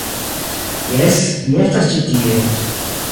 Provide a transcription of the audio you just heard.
Jes, mi estas ĉi tie